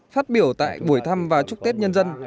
phát biểu tại buổi thăm và chúc tết nhân dân